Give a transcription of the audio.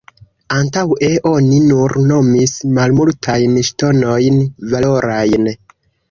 Antaŭe oni nur nomis malmultajn ŝtonojn valorajn.